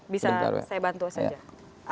bisa saya bantu saja